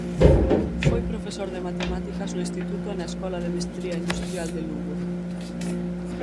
Foi profesor de Matemáticas no Instituto e na Escola de Mestría Industrial de Lugo.